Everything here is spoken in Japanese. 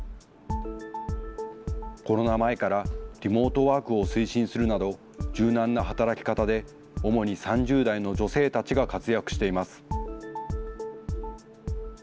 コロナ前からリモートワークを推進するなど、柔軟な働き方で、主に３０代の女性たちが活躍しています。